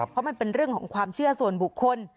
เพราะมันเป็นเรื่องของความเชื่อส่วนบุคคล